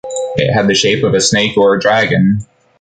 It had the shape of a snake or a dragon.